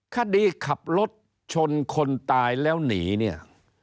คดีขับรถชนคนตายแล้วหนีเนี่ย